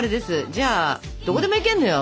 じゃあどこでも行けんのよ